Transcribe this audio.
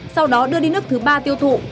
sau đó đưa đi nước thứ ba tiêu thụ